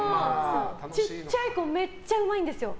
ちっちゃい子めっちゃうまいんですよ。